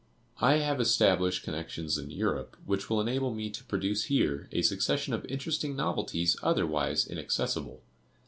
"I have established connections in Europe, which will enable me to produce here a succession of interesting novelties otherwise inaccessible.